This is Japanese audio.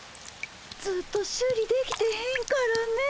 ずっと修理できてへんからねえ。